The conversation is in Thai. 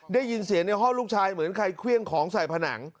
ได้ยินเสียงในห้องลูกชายเหมือนใครเครื่องของใส่ผนัง